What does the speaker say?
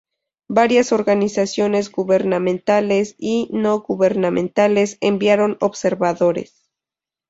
Varias organizaciones gubernamentales y no-gubernamentales enviaron observadores.